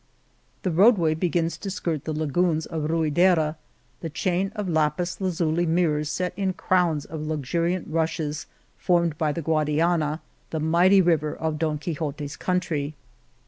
The roadway begins to skirt the lagoons of Ruidera, the chain of lapis lazuli mirrors set in crowns of luxuriant rushes, formed by the Guadiana, the mighty river of Don Quix ote's country.